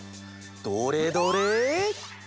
どれどれ？